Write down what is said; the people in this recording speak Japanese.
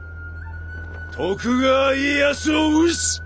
徳川家康を討つ！